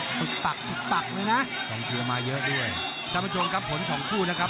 เปลดปักหลงเปลี่ยนมาเยอะด้วยท่านผู้ชมประชนครับผลสองคู่นะครับ